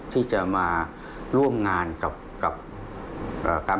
ที่จะมาร่วมงานกับการบุรุณา